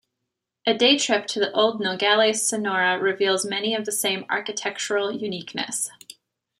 A day trip to old Nogales, Sonora reveals many of the same architectural uniqueness.